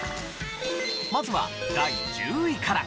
まずは第１０位から。